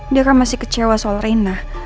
dia kan masih kecewa soal reina